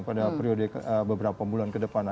pada periode beberapa bulan ke depan